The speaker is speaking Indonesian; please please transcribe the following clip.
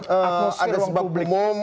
ada sebab umum